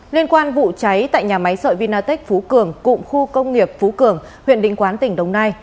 liên quan vụ cháy tại nhà máy sợi vinatech phú cường cụm khu công nghiệp phú cường huyện định quán tỉnh đồng nai